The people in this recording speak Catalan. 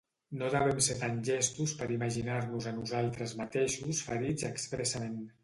No devem ser tan llestos per imaginar-nos a nosaltres mateixos ferits expressament.